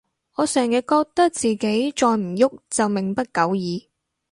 我成日覺得自己再唔郁就命不久矣